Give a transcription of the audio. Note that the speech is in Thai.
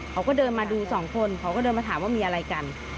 เขาก็เดินมาดูสองคนเขาก็เดินมาถามว่ามีอะไรกัน